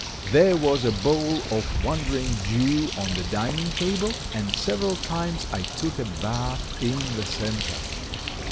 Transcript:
There was a bowl of Wandering Jew on the dining table, and several times I took a bath in the center.